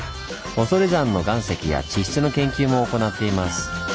恐山の岩石や地質の研究も行っています。